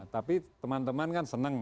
tapi teman teman kan senang